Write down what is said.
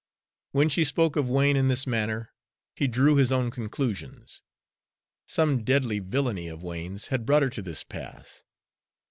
When she spoke of Wain in this manner, he drew his own conclusions. Some deadly villainy of Wain's had brought her to this pass.